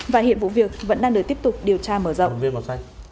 và hiện vụ việc vẫn đang được tiếp tục điều tra mở rộng